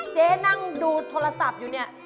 เจ๊นั่งดูโทรศัพท์อยู่เนี่ย